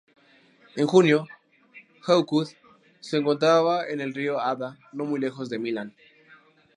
En junio Hawkwood se encontraba en el río Adda no muy lejos de Milán.